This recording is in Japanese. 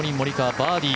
バーディー。